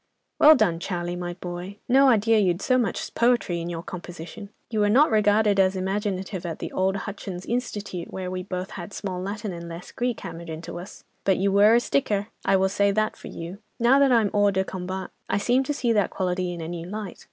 "Well done, Charlie, my boy! No idea you'd so much poetry in your composition! You were not regarded as imaginative at the old 'Hutchins Institute,' where we both had 'small Latin and less Greek' hammered into us. But you were a sticker, I will say that for you. Now that I'm hors de combat, I seem to see that quality in a new light.